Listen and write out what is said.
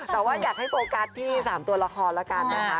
แต่ว่าอยากให้โฟกัสที่๓ตัวละครแล้วกันนะคะ